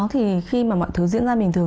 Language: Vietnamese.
thì khi mà mọi thứ diễn ra bình thường